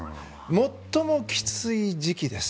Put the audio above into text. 最もきつい時期です。